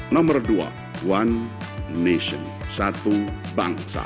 nomor dua one nation satu bangsa